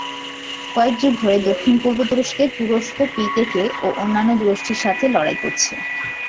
কয়েক যুগ ধরে দক্ষিণ-পূর্ব তুরস্কে, তুরস্ক, পিকেকে ও অন্যান্য গোষ্ঠীর সাথে লড়াই করছে।